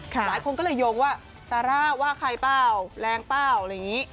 หลายคนก็เลยโยงว่าซาร่าว่าใครเปล่าแรงเปล่าอะไรอย่างนี้